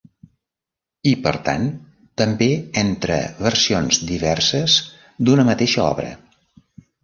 I, per tant, també entre versions diverses d'una mateixa obra.